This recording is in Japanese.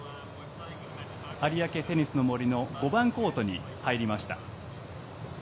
有明テニスの森の５番コートに入りました。